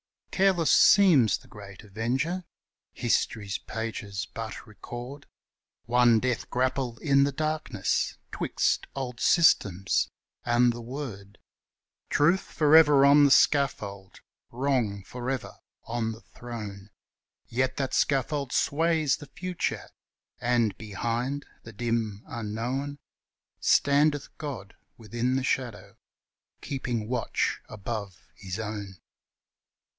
Careless seems the great Avenger; history's pages but record One death grapple in the darkness 'twixt old systems and the Word; Truth forever on the scaffold, Wrong forever on the throne, Yet that scaffold sways the Future, and, behind the dim unknown, Standeth God within the shadow, keeping watch above his own.